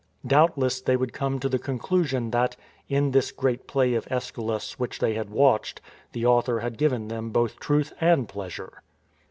Doubtless they would come to the conclusion that, in this great play of vEschylus which they had watched, the author had given them both truth and pleasure.